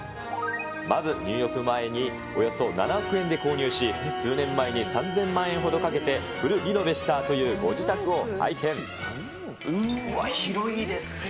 まず入浴前におよそ７億円で購入し、数年前に３０００万円ほどかけてフルリノベしたというご自宅を拝うーわっ、広いですね。